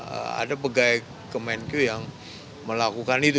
yang terjadi di ada pegawai kemenkyu yang melakukan itu